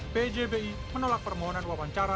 pjbi menolak permohonan wawancara